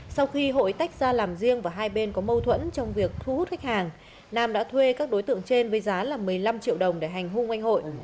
sau khi hội tách ra làm riêng và hai bên có mâu thuẫn trong việc thu hút khách hàng nam đã thuê các đối tượng trên với giá một mươi năm triệu đồng để hành hung anh hội